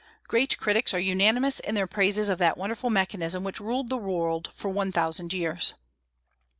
Great critics are unanimous in their praises of that wonderful mechanism which ruled the world for one thousand years.